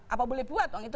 apa boleh buat